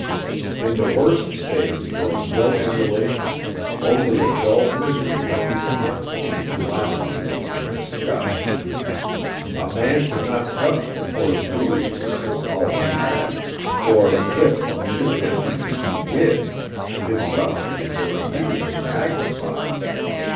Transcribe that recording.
In the worst stage there was no emulation, only a dull misery of recurrent pain and lassitude and disgust. A man could not touch the coarse food which was all we had; or, if from sheer emptiness he did, his sufferings were immediately magnified.